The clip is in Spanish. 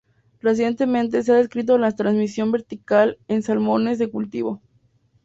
Recientemente, se ha descrito la transmisión vertical en salmones de cultivo.